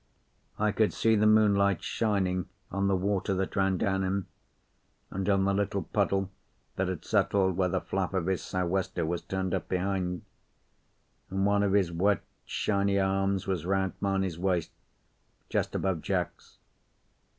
I could see the moonlight shining on the water that ran down him, and on the little puddle that had settled where the flap of his sou'wester was turned up behind: and one of his wet, shiny arms was round Mamie's waist, just above Jack's.